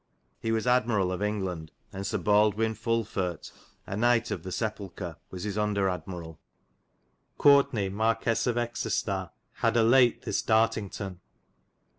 He was Admirall of England, and Sir Baldwine Fulfirte a Knight of the Sepulchre was his undar admiralle. Corteney Marquese of Excestar had a late this Dart ington.